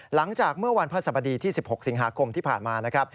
หลังจากเมื่อวันพศ๑๖สิงหาคมที่ผ่านมา